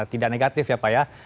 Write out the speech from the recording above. tidak negatif ya pak ya